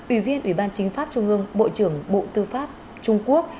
ủy viên ủy ban chính pháp trung ương bộ trưởng bộ tư pháp trung quốc